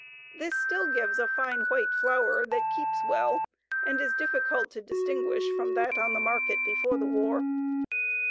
This still gives a fine white flour that keeps well and is difficult to distinguish from that on the market before the war.